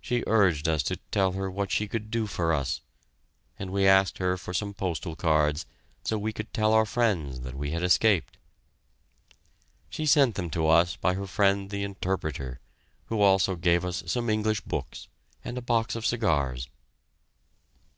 She urged us to tell her what she could do for us, and we asked her for some postal cards, so we could tell our friends that we had escaped. She sent them to us by her friend the interpreter, who also gave us some English books and a box of cigars.